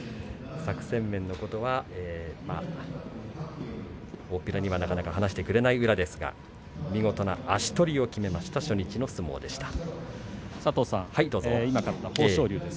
作戦面のことは大っぴらにはなかなか話してくれない宇良ですが見事な足取りをきめました豊昇龍です。